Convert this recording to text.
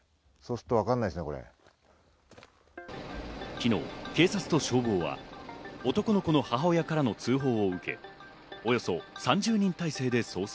昨日警察と消防は男の子の母親からの通報を受け、およそ３０人態勢で捜索。